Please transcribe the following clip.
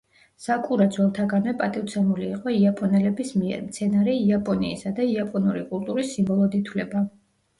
საკურა ძველთაგანვე პატივცემული იყო იაპონელების მიერ, მცენარე იაპონიისა და იაპონური კულტურის სიმბოლოდ ითვლება.